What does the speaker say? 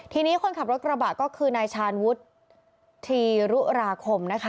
ทีนี้คนขับรถกระบะก็คือนายชาญวุฒิธีรุราคมนะคะ